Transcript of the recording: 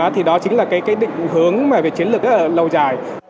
thì đó chính là cái định hướng về chiến lược rất là lâu dài